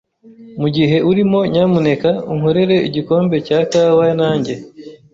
Mugihe urimo, nyamuneka unkorere igikombe cya kawa, nanjye.